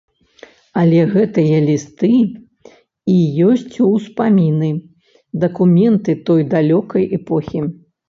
Але гэтыя лісты і ёсць ўспаміны, дакументы той далёкай эпохі.